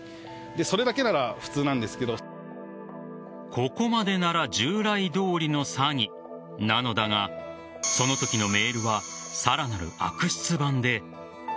ここまでなら従来どおりの詐欺なのだがそのときのメールはさらなる悪質版で。